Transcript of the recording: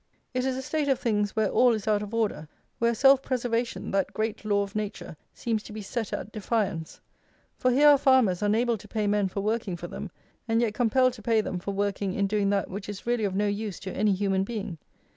It is a state of things, where all is out of order; where self preservation, that great law of nature, seems to be set at defiance; for here are farmers unable to pay men for working for them, and yet compelled to pay them for working in doing that which is really of no use to any human being.